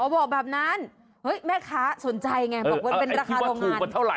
อ๋อบอกแบบนั้นเฮ้ยแม่ค้าสนใจไงบอกว่าเป็นราคาโรงงาน